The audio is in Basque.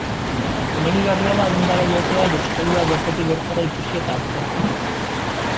Komenigarria da dendara joatea jostailua bertatik bertara ikusi eta aztertzeko.